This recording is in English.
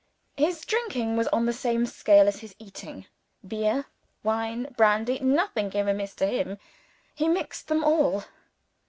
His drinking was on the same scale as his eating. Beer, wine, brandy nothing came amiss to him; he mixed them all.